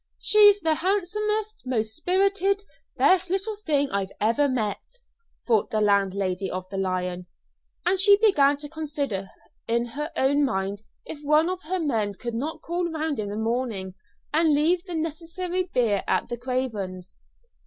"She's the handsomest, most spirited, best little thing I ever met," thought the landlady of the "Lion," and she began to consider in her own mind if one of her men could not call round in the morning and leave the necessary beer at the Cravens'.